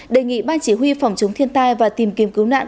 đề nghị ban chỉ huy phòng chống thiên tai và tìm kiếm cứu nạn